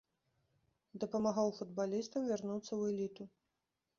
Дапамагаў футбалістам вярнуцца ў эліту.